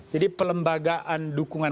jadi pelembagaan dukungan